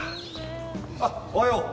・あっおはよう。